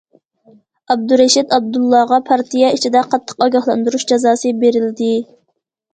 ئابدۇرېشىت ئابدۇللاغا پارتىيە ئىچىدە قاتتىق ئاگاھلاندۇرۇش جازاسى بېرىلدى.